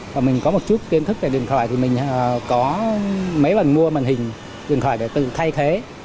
và mình có một chút kiến thức về điện thoại thì mình có mấy lần mua màn hình điện thoại để tự thay thế